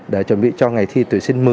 để chuẩn bị cho ngày thi tuyển sinh một mươi